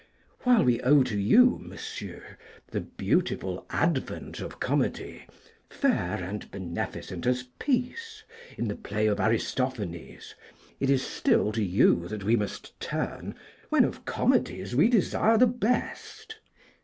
While we owe to you, Monsieur, the beautiful advent of Comedy, fair and beneficent as Peace in the play of Aristophanes, it is still to you that we must turn when of comedies we desire the best.